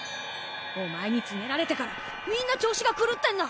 お前につねられてからみんな調子がくるってんだ！